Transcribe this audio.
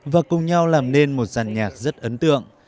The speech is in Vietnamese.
và cùng nhau làm nên một giàn nhạc rất ấn tượng